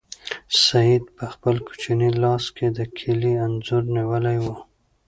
سعید په خپل کوچني لاس کې د کلي انځور نیولی و.